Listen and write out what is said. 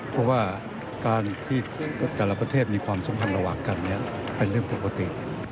เพราะว่าการที่แต่ละประเทศมีความสัมพันธ์ระหว่างกันเป็นเรื่องปกติ